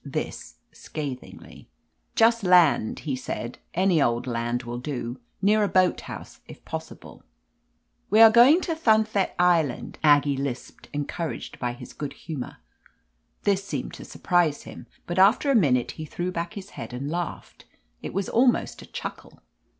This scathingly. "Just land," he said. "Any old land will do. Near a boat house, if possible." "We are going to Thunthet Island," Aggie lisped, encouraged by his good humor. This seemed to surprise him, but after a minute he threw back his head and laughed: it was almost a chuckle.